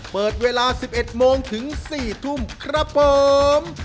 เปิดเวลา๑๑โมงถึง๔ทุ่มครับผม